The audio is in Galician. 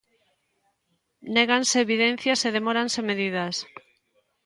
Néganse evidencias e demóranse medidas.